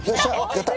やった！